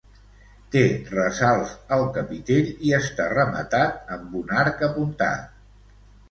Té ressalts al capitell i està rematat amb un arc apuntat.